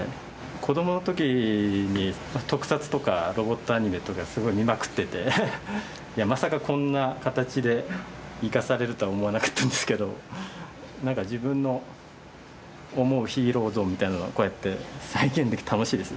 子どものときに特撮とかロボットアニメとかすごく見まくっててまさかこんな形で生かされるとは思わなかったんですけどなんか自分の思うヒーロー像みたいなのをこうやって再現できて楽しいです。